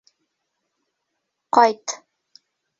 Ҡайт.